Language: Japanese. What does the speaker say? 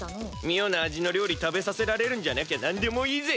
妙な味の料理食べさせられるんじゃなきゃなんでもいいぜ。